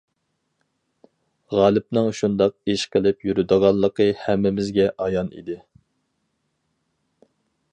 غالىپنىڭ شۇنداق ئىش قىلىپ يۈرىدىغانلىقى ھەممىمىزگە ئايان ئىدى.